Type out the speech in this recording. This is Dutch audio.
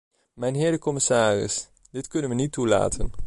Mijnheer de commissaris, dit kunnen we niet toelaten.